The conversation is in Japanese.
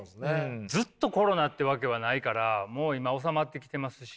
ずっとコロナってわけはないからもう今収まってきてますし。